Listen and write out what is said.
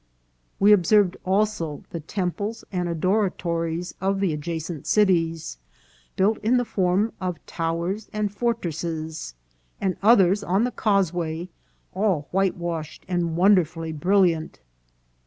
" We observed also the temples and adoratories of the adja cent cities, built in the form of towers and fortresses, and others on the causeway, all whitewashed and won derfully brilliant."